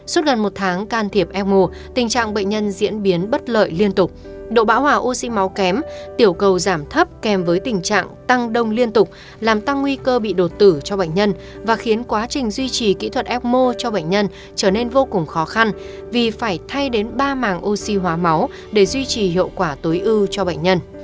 trước gần một tháng can thiệp ecmo tình trạng bệnh nhân diễn biến bất lợi liên tục độ bão hòa oxy máu kém tiểu cầu giảm thấp kèm với tình trạng tăng đông liên tục làm tăng nguy cơ bị đột tử cho bệnh nhân và khiến quá trình duy trì kỹ thuật ecmo cho bệnh nhân trở nên vô cùng khó khăn vì phải thay đến ba màng oxy hóa máu để duy trì hiệu quả tối ưu cho bệnh nhân